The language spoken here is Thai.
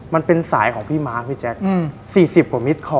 มันเป็นสายของพี่มาร์ทพี่แจ็ค